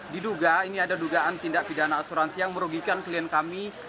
diduga ini ada dugaan tindak pidana asuransi yang merugikan klien kami